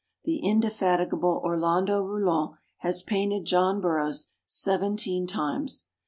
The inde fatigable Orlando Rouland has painted John Burroughs seventeen times.